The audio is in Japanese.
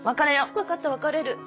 分かった別れる。